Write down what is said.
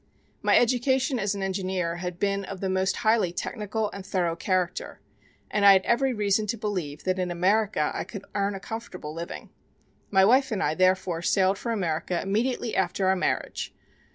"My education as an engineer had been of the most highly technical and thorough character, and I had every reason to believe that in America I could earn a comfortable living. My wife and I, therefore, sailed for America immediately after our marriage.